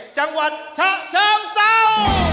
จังหวันชะเชิงเซา